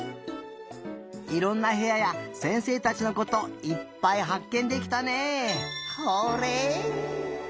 いろんなへやや先生たちのこといっぱいはっけんできたね！